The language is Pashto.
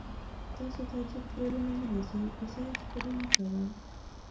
تاسې ته عجیب خیالونه نه راځي؟ بېځایه خبرې مه کوه.